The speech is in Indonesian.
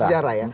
fakta sejarah ya